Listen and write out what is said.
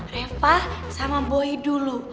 reva sama boy dulu